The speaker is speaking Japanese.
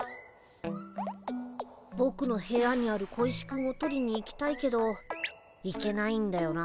ぼくの部屋にある小石くんを取りに行きたいけど行けないんだよな。